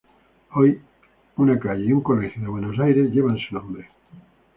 Hoy una calle y un colegio de Buenos Aires llevan su nombre.